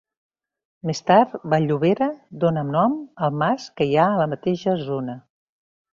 Més tard, Vall-llobera donà nom al mas que hi ha a la mateixa zona.